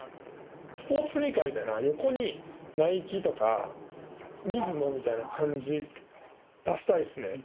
スポーツスニーカーみたいな横にナイキとかミズノみたいな感じ出したいですね。